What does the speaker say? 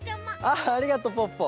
ああありがとうポッポ。